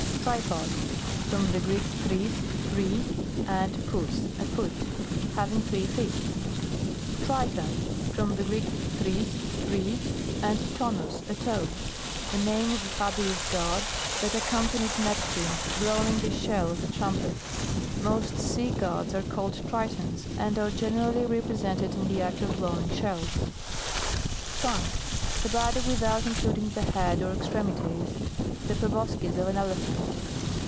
TRIPOD. From the Greek, t reis, three, and poKS, a foot. Having three feet. TRITON. From the Greek, treis, three, and tonos, a tone. The name of a fabulous god, that accompa nied Neptune, blowing a shell as a trumpet. Most sea gods are called Tritons, and are generally repre sented in the act of blowing shells. MAMMALOGYr GLOSSARY. 151 TRUNK. The body without including the head or extremities. The pro boscis of an elephant.